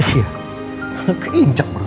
iya keincak baru